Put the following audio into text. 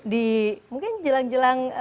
di mungkin jelang jelang